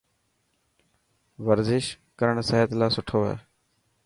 ورزش ڪرن سحت لاءِ سٺو هي.